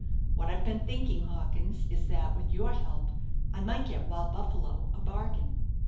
What I've been thinking, Hawkins, is that, with your help, I might get 'Wild Buffalo' a bargain?"